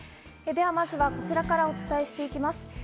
では、まずはこちらからお伝えしていきます。